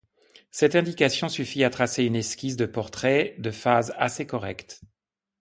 Cette indication suffit à tracer une esquisse de portrait de phase assez correcte.